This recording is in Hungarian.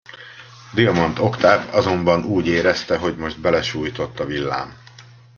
Diamant Oktáv azonban úgy érezte, hogy most belesújtott a villám.